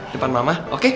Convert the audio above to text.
depan mama oke